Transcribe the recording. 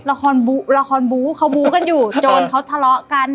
ละครบูละครบู๊เขาบู้กันอยู่โจรเขาทะเลาะกัน